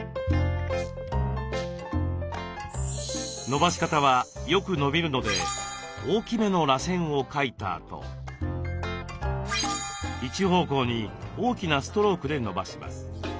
伸ばし方はよく伸びるので大きめのらせんを描いたあと一方向に大きなストロークで伸ばします。